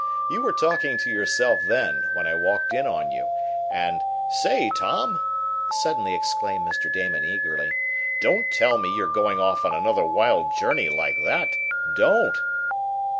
You were talking to yourself then, when I walked in on you, and Say, Tom!" suddenly exclaimed Mr. Damon eagerly, "don't tell me you're going off on another wild journey like that don't!"